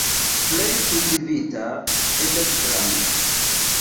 Plej kultivita estas dramo.